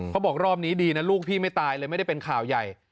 บอกรอบนี้ดีนะลูกพี่ไม่ตายเลยไม่ได้เป็นข่าวใหญ่